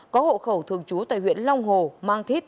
có hộ khẩu thường trú tại huyện long hồ mang thít